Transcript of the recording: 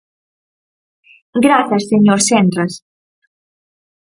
Grazas, señor Senras.